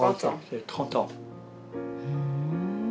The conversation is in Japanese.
ふん。